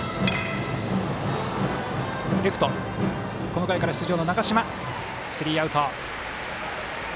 この回から出場の中嶋つかんでスリーアウト。